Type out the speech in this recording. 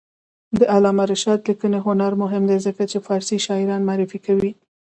د علامه رشاد لیکنی هنر مهم دی ځکه چې فارسي شاعران معرفي کوي.